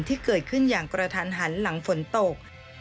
ที่เกิดขึ้นอย่างกระทันหันหลังฝนตก